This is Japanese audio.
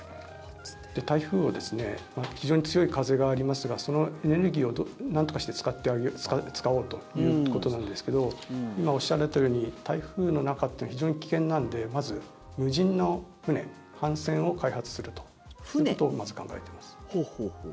台風は非常に強い風がありますがそのエネルギーをなんとかして使おうということなんですけど今、おっしゃられたように台風の中って非常に危険なのでまず無人の船、帆船を開発するということをまず考えています。